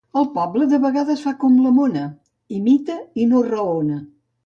El poble de vegades fa com la mona, imita i no raona.